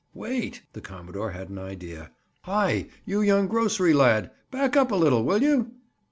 "Wait!" The commodore had an idea. "Hi, you young grocery lad, back up a little, will you?"